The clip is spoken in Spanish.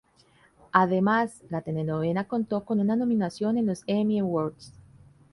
Además la telenovela contó con una nominación en los Emmy Awards.